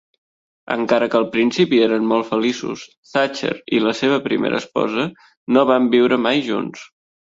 Encara que al principi eren molt feliços, Thatcher i la seva primera esposa no van viure mai junts.